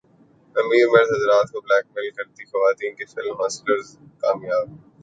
امیر مرد حضرات کو بلیک میل کرتی خواتین کی فلم ہسلرز کامیاب